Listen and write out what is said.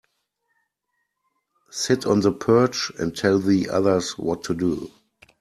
Sit on the perch and tell the others what to do.